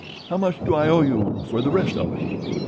"How much do I owe you for the rest of it?"